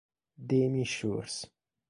Demi Schuurs